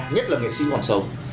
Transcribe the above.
nhất là nghệ sĩ hoàn sống